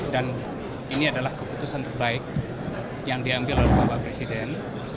dan ini adalah keputusan terbaik yang diambil oleh bapak presiden